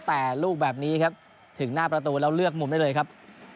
แต่ลูกแบบนี้ครับถึงหน้าประตูแล้วเลือกมุมได้เลยครับ